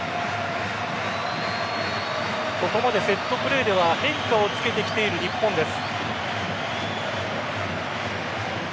ここまでセットプレーでは変化をつけてきている日本です。